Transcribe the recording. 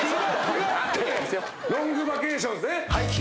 『ロングバケーション』ですね。